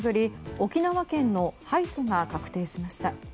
沖縄県の敗訴が確定しました。